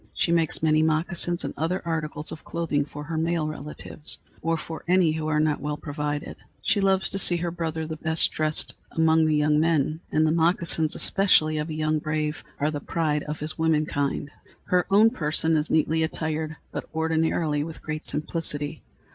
She makes many moccasins and other articles of clothing for her male relatives, or for any who are not well provided. She loves to see her brother the best dressed among the young men, and the moccasins especially of a young brave are the pride of his woman kind. Her own person is neatly attired, but ordinarily with great simplicity.